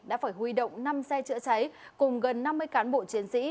đã phải huy động năm xe chữa cháy cùng gần năm mươi cán bộ chiến sĩ